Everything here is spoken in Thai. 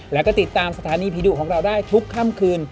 แล้วก็ติดตามสถานีผีดุของเราได้ทุกค่ำคืน